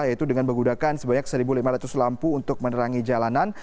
yaitu dengan menggunakan sebanyak satu lima ratus lampu untuk menerangi jalanan